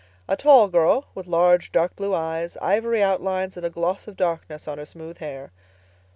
A tall girl, with large dark blue eyes, ivory outlines, and a gloss of darkness on her smooth hair.